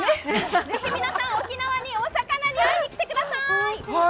ぜひ皆さん、沖縄にお魚に会いにきてください。